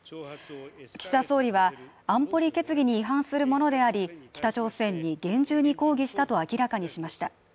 岸田総理は安保理決議に違反するものであり、北朝鮮に厳重に抗議したと明らかにしました。